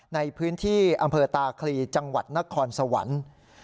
ในพื้นที่อำเภอตาคลีจังหวัดนครสวรรค์